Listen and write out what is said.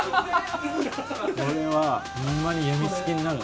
これはホンマにやみつきになる。